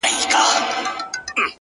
• نه مو آرام نه شین اسمان ولیدی ,